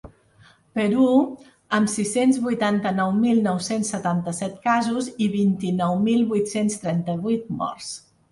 Perú, amb sis-cents vuitanta-nou mil nou-cents setanta-set casos i vint-i-nou mil vuit-cents trenta-vuit morts.